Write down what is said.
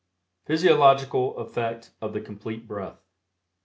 PHYSIOLOGICAL EFFECT OF THE COMPLETE BREATH.